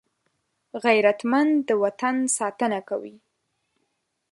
غیرتمند د وطن ساتنه کوي